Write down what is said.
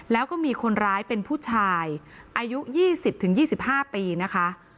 แล้วก็มีคนร้ายเป็นผู้ชายอายุ๒๐๒๕ปีนะคะ